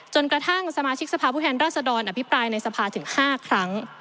กระทั่งสมาชิกสภาพผู้แทนราชดรอภิปรายในสภาถึง๕ครั้ง